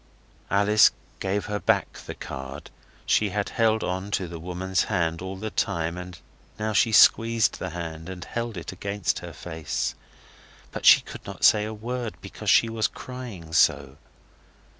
Alice gave her back the card. She had held on to the woman's hand all the time, and now she squeezed the hand, and held it against her face. But she could not say a word because she was crying so.